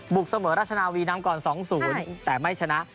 กเสมอรัชนาวีนำก่อน๒๐แต่ไม่ชนะ